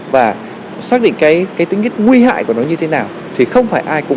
và bị truy cứu trách nhiệm hình sự